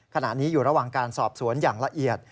ขณะนี้อยู่ระหว่างการสอบสวนอย่างละเอียด